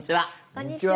こんにちは。